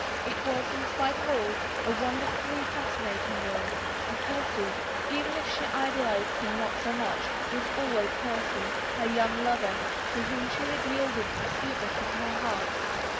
It was, in spite of all, a wonder fully fascinating world, and Percy — even if she ideal ized him not so much — was always Percy, her young lover, to whom she had yielded the sweetness of her heart.